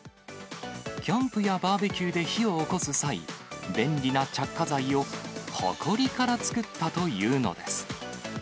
キャンプやバーベキューで火をおこす際、便利な着火剤をほこりから作ったというのです。